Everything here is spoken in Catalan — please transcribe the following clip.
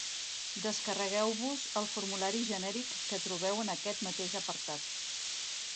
Descarregueu-vos el formulari genèric que trobeu en aquest mateix apartat.